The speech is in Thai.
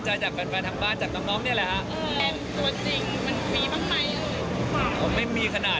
แต่ว่าส่วนใหญ่หายือเหยียวมากกว่า